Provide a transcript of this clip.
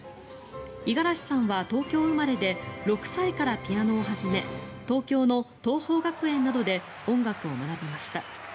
五十嵐さんは東京生まれで６歳からピアノを始め東京の桐朋学園などで音楽を学びました。